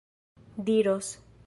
diros